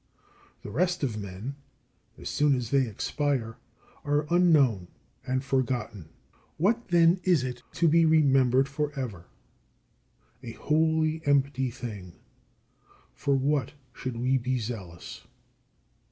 The rest of men, as soon as they expire, are unknown and forgotten. What, then, is it to be remembered for ever? A wholly empty thing. For what should we be zealous?